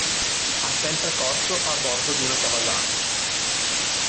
Ha sempre corso a bordo di una Kawasaki.